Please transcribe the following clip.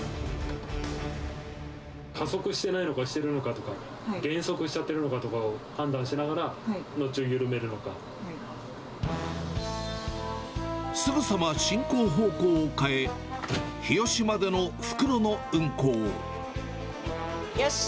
加速してないのかしているのかとか、減速しちゃってるのかとかを、判断しながら、すぐさま、進行方向を変え、よし。